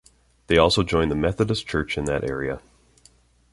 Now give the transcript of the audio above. They also joined the Methodist church in that area.